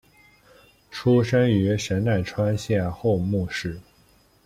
出身于神奈川县厚木市。